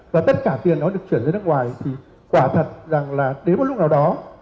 và tất cả tiền nó được chuyển ra nước ngoài thì quả thật là đến một lúc nào đó